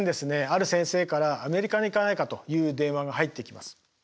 ある先生から「アメリカに行かないか」という電話が入ってきます。